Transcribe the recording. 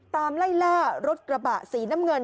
ไล่ล่ารถกระบะสีน้ำเงิน